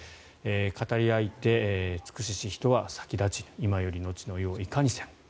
「かたりあひて尽くしし人は先立ちぬ今より後の世をいかにせむ」